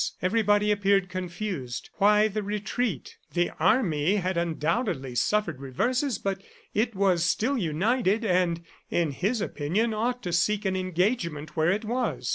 Everybody appeared confused. Why the retreat? ... The army had undoubtedly suffered reverses, but it was still united and, in his opinion, ought to seek an engagement where it was.